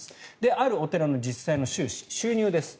あるお寺の実際の収支、収入です。